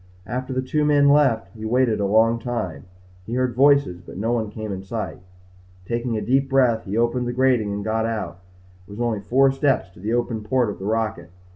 After the two men left he waited a long time. He heard voices but no one came in sight. Taking a deep breath, he opened the grating and got out. It was only four steps to the open port of the rocket.